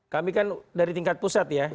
kami kan dari tingkat pusat ya